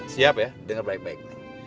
siap ya dengan baik baik